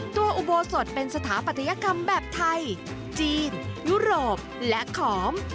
อุโบสถเป็นสถาปัตยกรรมแบบไทยจีนยุโรปและขอม